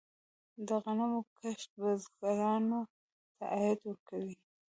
د غنمو کښت بزګرانو ته عاید ورکوي.